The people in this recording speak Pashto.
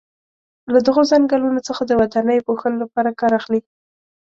له دغو څنګلونو څخه د ودانیو پوښلو لپاره کار اخلي.